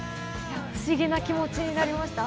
不思議な気持ちになりました。